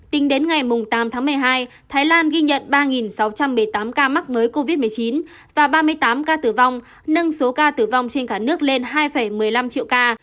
tính đến ngày tám tháng một mươi hai thái lan ghi nhận ba sáu trăm một mươi tám ca mắc mới covid một mươi chín và ba mươi tám ca tử vong nâng số ca tử vong trên cả nước lên hai một mươi năm triệu ca